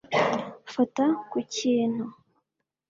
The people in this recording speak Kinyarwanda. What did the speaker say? Fata ku kintu